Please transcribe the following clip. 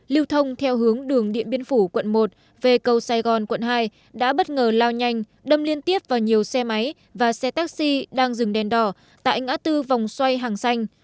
lưu thông theo hướng đường điện biên phủ quận một về cầu sài gòn quận hai đã bất ngờ lao nhanh đâm liên tiếp vào nhiều xe máy và xe taxi đang dừng đèn đỏ tại ngã tư vòng xoay hàng xanh